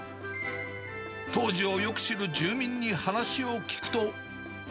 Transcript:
当時をよく知る住民に話を聞くと。